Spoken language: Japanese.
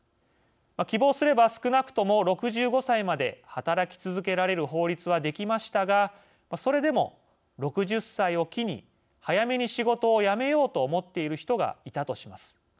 希望すれば少なくとも６５歳まで働き続けられる法律は出来ましたがそれでも、６０歳を機に早めに仕事を辞めようと思っている人がいたとします。